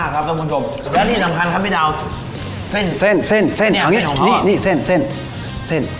เส้นนี่เส้นนี่เส้นนี่เส้นนี่เส้นนี่เส้นนี่เส้นนี่เส้นนี่เส้นนี่เส้น